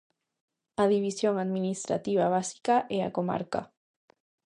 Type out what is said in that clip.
A división administrativa básica é a comarca.